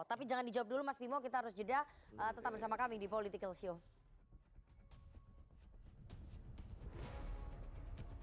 tapi jangan dijawab dulu mas bimo kita harus jeda tetap bersama kami di political show